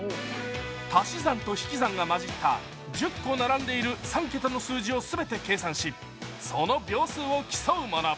足し算と引き算が混じった１０個並んでいる３桁の数字を全て計算しその秒数を競うもの。